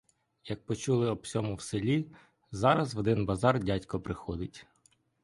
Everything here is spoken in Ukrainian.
Як почули об сьому в селі, зараз в один базар дядько приходить.